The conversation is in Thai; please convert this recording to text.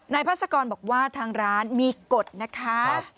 พาสกรบอกว่าทางร้านมีกฎนะคะ